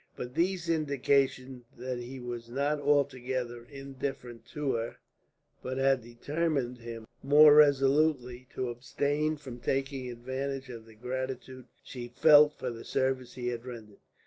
But these indications that he was not altogether indifferent to her had but determined him, more resolutely, to abstain from taking advantage of the gratitude she felt for the service he had rendered.